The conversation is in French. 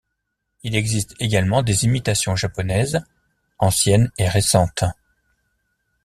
Il existe également des imitations japonaises, anciennes et récentes.